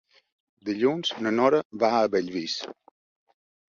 Dilluns na Nora va a Bellvís.